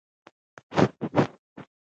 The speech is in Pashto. چوپتیا، د زړه سکون دی.